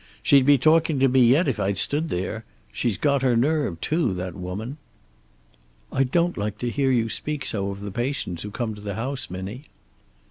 "She'd be talking to me yet if I'd stood there. She's got her nerve, too, that woman." "I don't like to hear you speak so of the patients who come to the house, Minnie."